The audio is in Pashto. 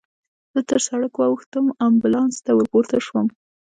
زه تر سړک واوښتم، امبولانس ته ورپورته شوم.